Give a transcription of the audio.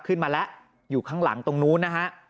ขึ้นมาแล้วอยู่ข้างหลังตรงนู้นนะฮะ